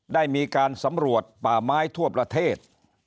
ได้มีการสำรวจป่าไม้ทั่วประเทศ